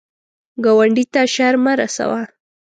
ګاونډي ته شر مه رسوه